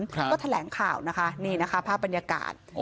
ก็แถลงข่าวนะคะนี่นะคะภาพบรรยากาศ